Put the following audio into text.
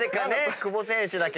久保選手だけタケ。